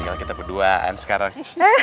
tinggal kita berduaan sekarang